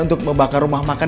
untuk membakar rumah makan